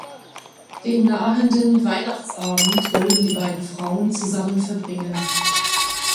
Den nahenden Weihnachtsabend wollen die beiden Frauen zusammen verbringen.